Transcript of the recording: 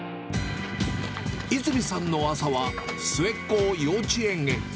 泉さんの朝は末っ子を幼稚園へ。